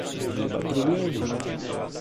Nie ma problemu"